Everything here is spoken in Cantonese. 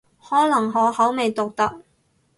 可能我口味獨特